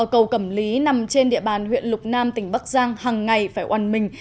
cầu cẩm lý nằm trên địa bàn huyện lục nam tỉnh bắc giang hằng ngày phải oàn mình